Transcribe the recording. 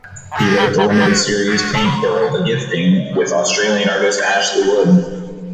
He wrote the limited series "Tank Girl: The Gifting" with Australian artist Ashley Wood.